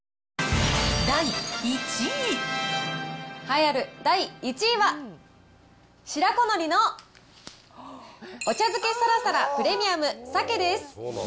栄えある第１位は、白子のりのお茶漬けサラサラプレミアム鮭です。